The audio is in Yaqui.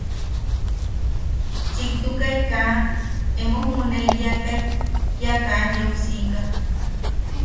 Chiktukai kaa emo juʼuneiyakai ke kea yeu siika.